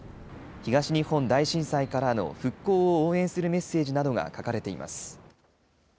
東日本大震災からの復興を応援するメッセージなどが書かれています。